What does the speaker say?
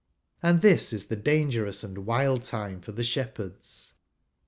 And this is the dangerous and wild time for the shepherds.